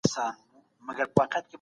هغه په کمپيوټر کي پروګرامونه چلوي.